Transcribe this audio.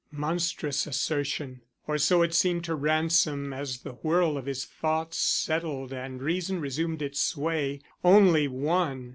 Monstrous assertion! or so it seemed to Ransom as the whirl of his thoughts settled and reason resumed its sway. Only one!